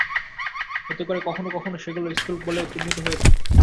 এতে করে কখনো কখনো সেগুলো স্থূল বলেও চিহ্নিত হয়েছে।